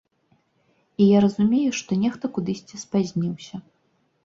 І я разумею, што нехта кудысьці спазніўся.